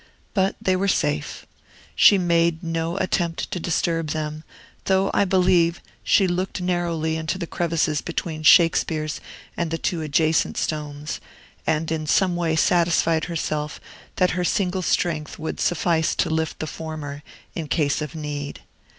But they were safe. She made no attempt to disturb them; though, I believe, she looked narrowly into the crevices between Shakespeare's and the two adjacent stones, and in some way satisfied herself that her single strength would suffice to lift the former, in case of need.